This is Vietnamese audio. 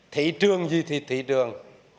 thị trường gì thì thị trường